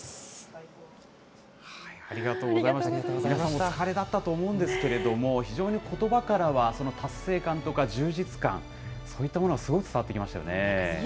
ありがとうございました、お皆さん、お疲れだったと思うんですけれども、非常にことばからは、その達成感とか充実感、そういったものがすごく伝わってきましたよね。